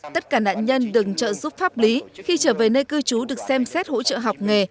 tất cả nạn nhân đừng trợ giúp pháp lý khi trở về nơi cư trú được xem xét hỗ trợ học nghề